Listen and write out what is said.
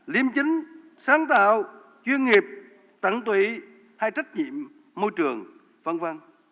liêm chính sáng tạo chuyên nghiệp tận tụy hay trách nhiệm môi trường v v